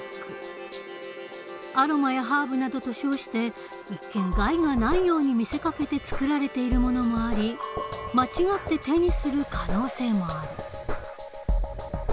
アロマやハーブなどと称して一見害がないように見せかけて作られているものもあり間違って手にする可能性もある。